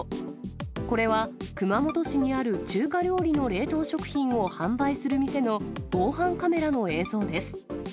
これは、熊本市にある中華料理の冷凍食品を販売する店の防犯カメラの映像です。